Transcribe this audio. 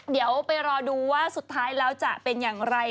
เดี๋ยวไปรอดูว่าสุดท้ายแล้วจะเป็นอย่างไร